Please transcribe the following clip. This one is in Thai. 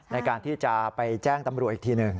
ในการที่จะไปแจ้งตำรวจอีกทีหนึ่ง